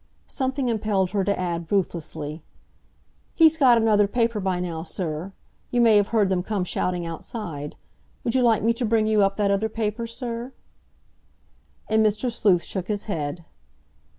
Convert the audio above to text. Something impelled her to add, ruthlessly, "He's got another paper by now, sir. You may have heard them come shouting outside. Would you like me to bring you up that other paper, sir?" And Mr. Sleuth shook his head.